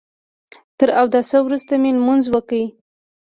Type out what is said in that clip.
تر اوداسه وروسته مې لمونځ وکړ.